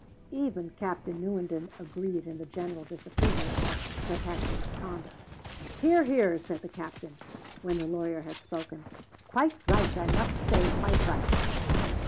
Even Captain Newenden agreed in the general disapproval of Sir Patrick's conduct. "Hear, hear!" said the captain, when the lawyer had spoken. "Quite right. I must say, quite right."